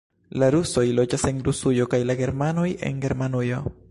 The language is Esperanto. La rusoj loĝas en Rusujo kaj la germanoj en Germanujo.